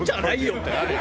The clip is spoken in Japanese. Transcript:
ってなるよ